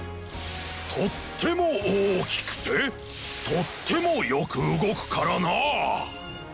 とってもおおきくてとってもよくうごくからな。